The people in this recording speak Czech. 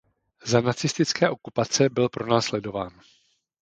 Za nacistické okupace byl pronásledován.